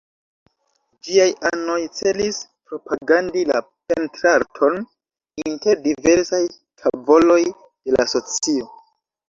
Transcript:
Ĝiaj anoj celis propagandi la pentrarton inter diversaj tavoloj de la socio.